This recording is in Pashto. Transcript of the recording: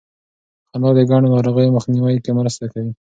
خندا د ګڼو ناروغیو مخنیوي کې مرسته کوي.